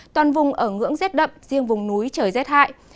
toàn vùng ở ngưỡng rét đậm riêng vùng núi trời rét hại